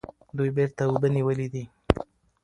دوی بیرته اوبه نیولې دي.